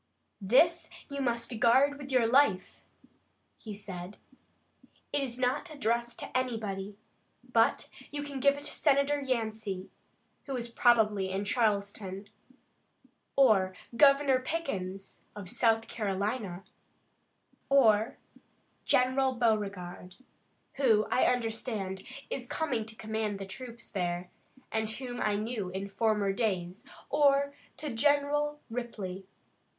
"This you must guard with your life," he said. "It is not addressed to anybody, but you can give it to Senator Yancey, who is probably in Charleston, or Governor Pickens, of South Carolina, or General Beauregard, who, I understand, is coming to command the troops there, and whom I knew in former days, or to General Ripley.